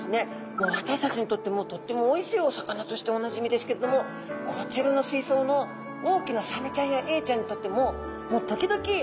もう私たちにとってもとってもおいしいお魚としておなじみですけれどもこちらの水槽の大きなサメちゃんやエイちゃんにとってももう時々ギョちそうだ！